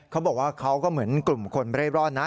เขาบอกว่าเขาก็เหมือนกลุ่มคนเร่ร่อนนะ